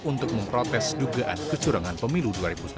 untuk memprotes dugaan kecurangan pemilu dua ribu sembilan belas